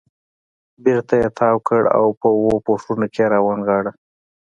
بېرته یې تاو کړ او په اوو پوښونو کې یې را ونغاړه.